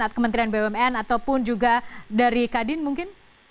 atau kementerian bumn ataupun juga dari kadin mungkin